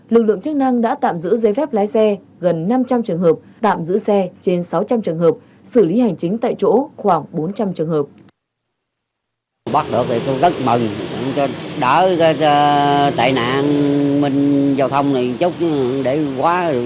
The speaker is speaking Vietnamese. lực lượng chức năng đã tạm giữ giấy phép lái xe gần năm trăm linh trường hợp tạm giữ xe trên sáu trăm linh trường hợp xử lý hành chính tại chỗ khoảng bốn trăm linh trường hợp